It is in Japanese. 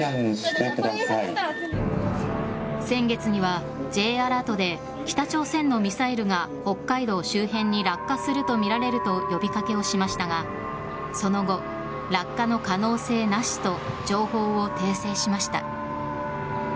先月にはＪアラートで北朝鮮のミサイルが北海道周辺に落下するとみられると呼び掛けをしましたがその後、落下の可能性なしと情報を訂正しました。